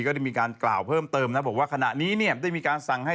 ก็ได้มีการกล่าวเพิ่มเติมนะบอกว่าขณะนี้เนี่ยได้มีการสั่งให้